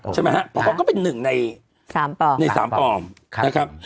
ใช่ไหมฮะป๊อกก็เป็นหนึ่งในสามปในสามปนะครับ